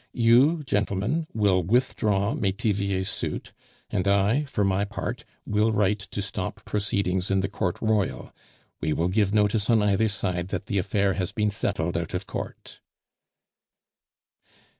You, gentlemen, will withdraw Metivier's suit, and I, for my part, will write to stop proceedings in the Court Royal; we will give notice on either side that the affair has been settled out of court."